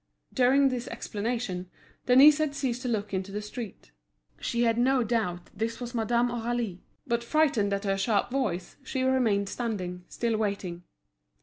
During this explanation, Denise had ceased to look into the street. She had no doubt this was Madame Aurélie; but, frightened at her sharp voice, she remained standing, still waiting.